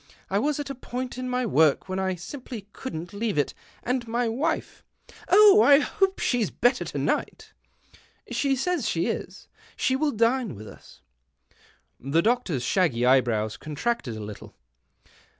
I was at a point in my work when I simply couldn't leave it, and my wife "" Oh, I hope she's better to night !"" She says she is. She will dine with us." The doctor's shaggy eyebrows contracted a little.